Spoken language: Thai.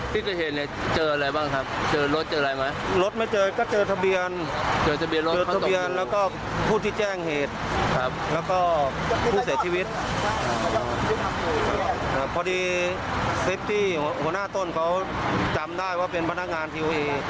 ทางเจ้าหน้าที่ตำรวจมาเจอพอดี